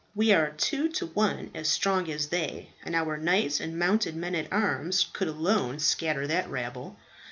We are two to one as strong as they, and our knights and mounted men at arms could alone scatter that rabble."